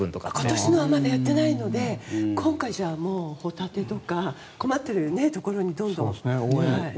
今年はまだやっていないので今回はホタテとか困っているところにどんどんね。